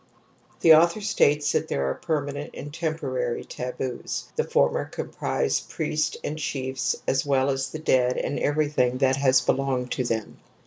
J The author states that there are pCTmanent and^terapOTar^^tabo^ The former comprise priests and chiefs as well as the dead and every thing that has belonged to them.